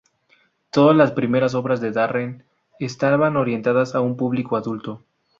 Todas las primeras obras de Darren estaban orientadas a un público adulto.